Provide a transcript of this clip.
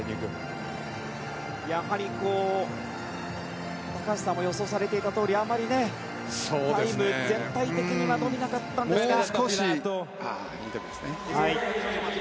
やはり、高橋さんも予想されていたとおりあんまりタイムが全体的には伸びませんでしたが。